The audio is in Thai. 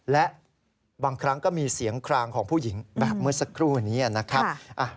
และบางครั้งก็มีเสียงคลางของผู้หญิงแบบเมื่อสักครู่นี้นะครับ